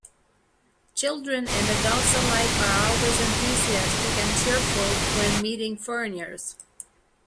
Children and adults alike are always enthusiastic and cheerful when meeting foreigners.